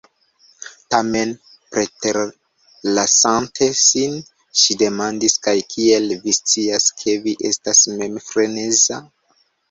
Tamen, preterlasante sin, ŝi demandis "kaj kiel vi scias ke vi estas mem freneza?"